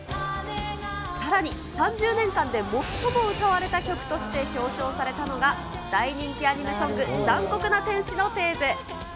さらに、３０年間で最も歌われた曲として表彰されたのが、大人気アニメソング、残酷な天使のテーゼ。